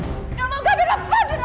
nggak mau gavin lepaskan aku